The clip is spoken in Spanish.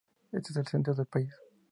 Está en el centro del país.